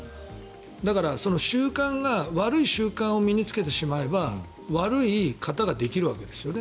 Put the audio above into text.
だから習慣が悪い習慣を身に着けてしまえば悪い形ができるわけですよね。